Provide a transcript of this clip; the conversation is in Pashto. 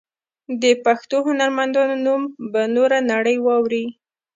د پښتو هنرمندانو نوم به نوره نړۍ واوري.